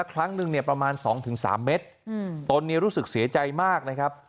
ครั้งนึงเนี่ยประมาณ๒๓เมตรตนนี้รู้สึกเสียใจมากนะครับ